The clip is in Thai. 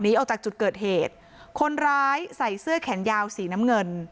ออกจากจุดเกิดเหตุคนร้ายใส่เสื้อแขนยาวสีน้ำเงิน